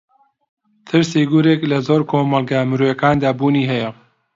ترسی گورگ لە زۆر لە کۆمەڵگا مرۆیییەکاندا بوونی ھەیە